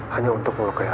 hanya untuk melukai aku